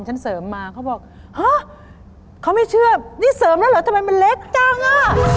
ฉันเสริมมาเขาบอกฮะเขาไม่เชื่อนี่เสริมแล้วเหรอทำไมมันเล็กจังอ่ะ